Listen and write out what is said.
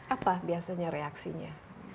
apa biasanya reaksinya